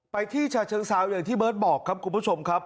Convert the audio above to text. ที่ชาเชิงเซาอย่างที่เบิร์ตบอกครับคุณผู้ชมครับ